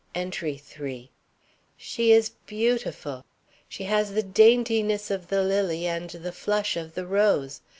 ENTRY III. She is beautiful. She has the daintiness of the lily and the flush of the rose.